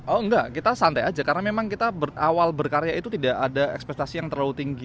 oh enggak kita santai aja karena memang kita awal berkarya itu tidak ada ekspektasi yang terlalu tinggi